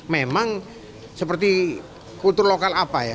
memang seperti kultur lokal apa ya